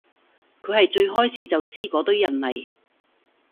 佢係最開始就知嗰堆人嚟